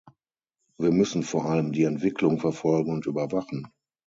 Wir müssen vor allem die Entwicklung verfolgen und überwachen.